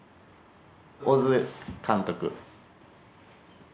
小津監督。